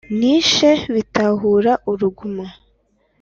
nishe Bitahura uruguma